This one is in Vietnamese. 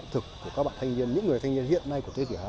đúng là trả thế này